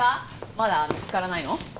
まだ見つからないの？